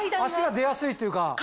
足が出やすいというか。